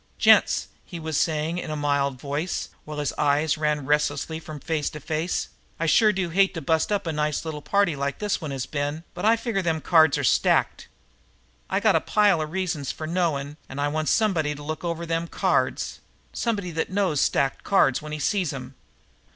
"Gents," he was saying, in his mild voice, while his eyes ran restlessly from face to face, "I sure do hate to bust up a nice little party like this one has been, but I figure them cards are stacked. I got a pile of reasons for knowing, and I want somebody to look over them cards somebody that knows stacked cards when he sees 'em.